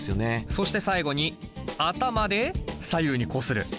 そして最後に頭で左右にこする。